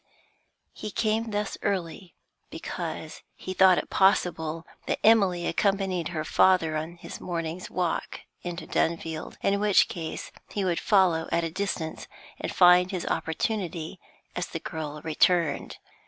He came thus early because he thought it possible that Emily accompanied her father on his morning's walk into Dunfield; in which case he would follow at a distance, and find his opportunity as the girl returned.